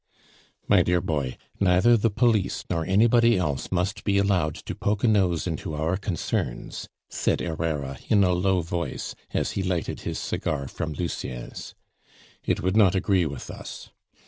"My dear boy, neither the police nor anybody else must be allowed to poke a nose into our concerns," said Herrera in a low voice, as he lighted his cigar from Lucien's. "It would not agree with us.